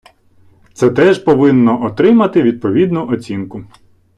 Це теж повинно отримати відповідну оцінку.